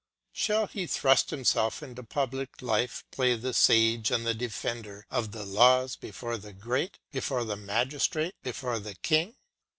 Shall he thrust himself into public life, play the sage and the defender of the laws before the great, before the magistrates, before the king?